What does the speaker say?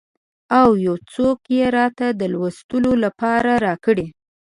او یو څوک یې راته د لوستلو لپاره راکړي.